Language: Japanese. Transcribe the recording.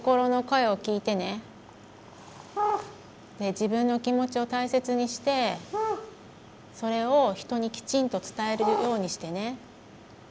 自分の気持ちを大切にしてそれを人にきちんと伝えるようにしてね。